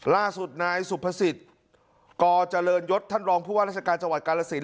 ล่าสุดนายสุภสิทธิ์กเจริญยศท่านรองผู้ว่าราชการจังหวัดกาลสิน